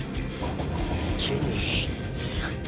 好きにィ。